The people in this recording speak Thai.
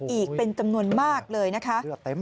อีกเป็นจำนวนมากเลยนะคะ